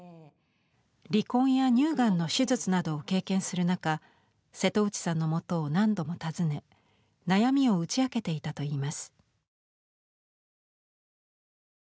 離婚や乳がんの手術などを経験する中瀬戸内さんのもとを何度も訪ね悩みを打ち明けていたといいます。